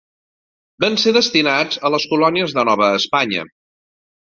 Van ser destinats a les colònies de Nova Espanya.